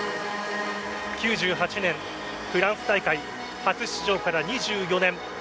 ９８年フランス大会初出場から２４年。